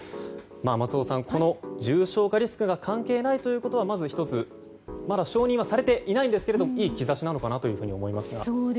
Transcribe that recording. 松尾さん、この重症化リスクが関係ないということはまず１つ、まだ承認はされていないんですけどいい兆しなのかなと思いますが。